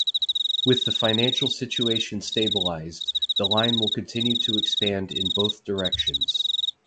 With the financial situation stabilised, the line will continue to expand in both directions.